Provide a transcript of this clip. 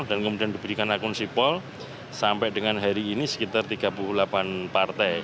dan kemudian diberikan akun sipol sampai dengan hari ini sekitar tiga puluh delapan partai